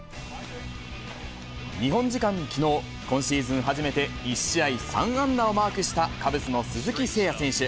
日本時間のきのう、今シーズン初めて、１試合３安打をマークした、カブスの鈴木誠也選手。